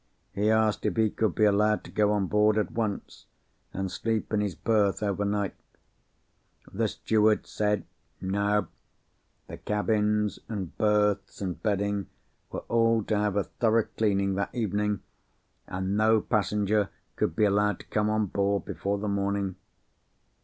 He asked if he could be allowed to go on board at once, and sleep in his berth over night. The steward said, No. The cabins, and berths, and bedding were all to have a thorough cleaning that evening, and no passenger could be allowed to come on board, before the morning.